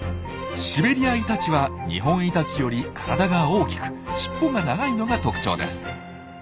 シベリアイタチは二ホンイタチより体が大きく尻尾が長いのが特徴です。